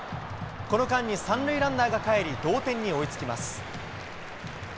この間に３塁ランナーがかえり、同点に追いつきます。